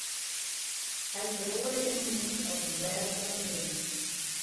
Hy feroare ynienen as in blêd oan 'e beam.